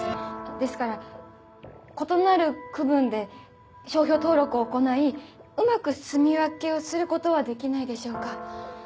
ですから異なる区分で商標登録を行いうまくすみ分けをすることはできないでしょうか。